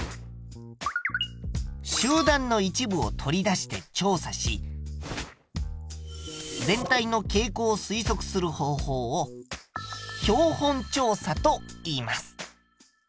集団の一部を取り出して調査し全体の傾向を推測する方法を標本調査と言います。